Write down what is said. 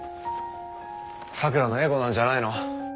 咲良のエゴなんじゃないの？